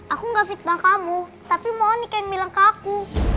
aku enggak fitnah kamu tapi mau onyx yang bilang ke aku